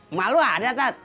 emak lu ada tat